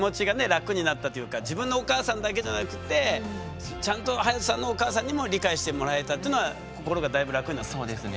楽になったというか自分のお母さんだけじゃなくてちゃんと隼人さんのお母さんにも理解してもらえたというのは心がだいぶ楽になったんですか？